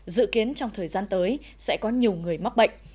dự kiến trong thời gian tới sẽ có nhiều người mắc bệnh